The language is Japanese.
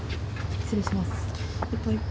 失礼します。